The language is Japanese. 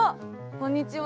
こんにちは。